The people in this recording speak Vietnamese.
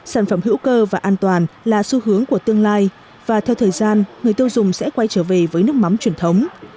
sản phẩm hữu cơ và an toàn là xu hướng của tương lai và theo thời gian người tiêu dùng sẽ quay trở về với nước mắm truyền thống